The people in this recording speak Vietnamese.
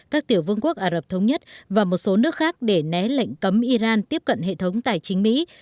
các tiểu vương quốc ả rập thống nhất và một số nước khác để né lệnh cấm iran tiếp cận hệ thống tài chính mỹ